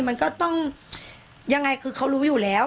มันก็ต้องยังไงคือเขารู้อยู่แล้ว